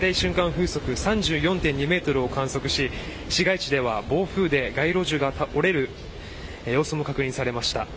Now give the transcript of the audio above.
風速３４．２メートルを観測し市街地では、暴風で街路樹が折れる様子も確認されました。